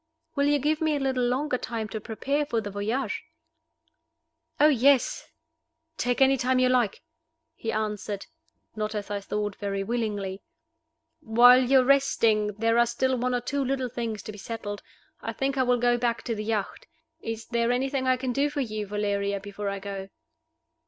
"Will you give me a little longer time to prepare for the voyage?" "Oh yes take any time you like," he answered, not (as I thought) very willingly. "While you are resting there are still one or two little things to be settled I think I will go back to the yacht. Is there anything I can do for you, Valeria, before I go?"